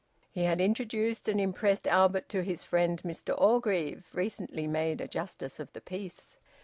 He had introduced an impressed Albert to his friend Mr Orgreave, recently made a Justice of the Peace.